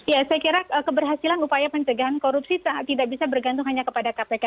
ya saya kira keberhasilan upaya pencegahan korupsi tidak bisa bergantung hanya kepada kpk